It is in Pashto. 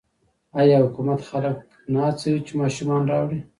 آیا حکومت خلک نه هڅوي چې ماشومان راوړي؟